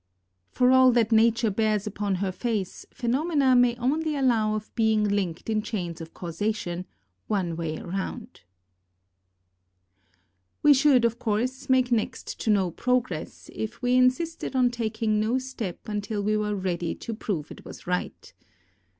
For all that Nature bears upon her face, phenomena may only allow of being linked in chains of causation, one way round. We should, of course, make next to no progress, if we insisted on taking no step until we were ready to prove it was right.